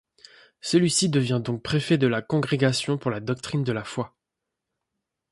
Celui-ci devient donc préfet de la Congrégation pour la doctrine de la foi.